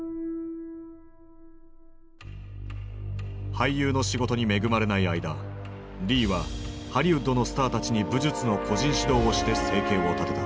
俳優の仕事に恵まれない間リーはハリウッドのスターたちに武術の個人指導をして生計を立てた。